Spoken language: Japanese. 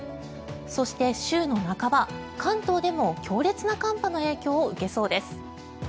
そして、週の半ば関東でも強烈な寒波の影響を受けそうです。